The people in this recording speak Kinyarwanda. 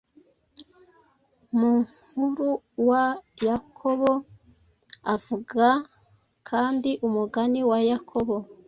mu nkuruwa Yakoboavuga kandi umugani wa Yakobo